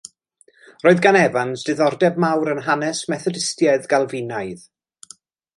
Roedd gan Evans diddordeb mawr yn hanes Methodistiaeth Galfinaidd.